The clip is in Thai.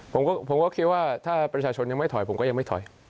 ผมก็คิดว่าถ้าประชาชนยังไม่ถอยผมก็ยังไม่ถอย